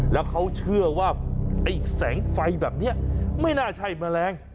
แล้วเขาเชื่อว่าไอ้แสงไฟแบบนี้ไม่น่าใช่แมลง